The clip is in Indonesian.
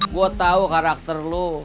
gue tau karakter lu